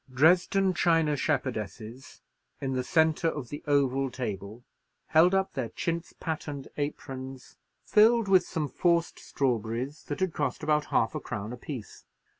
Dresden china shepherdesses, in the centre of the oval table, held up their chintz patterned aprons filled with some forced strawberries that had cost about half a crown apiece.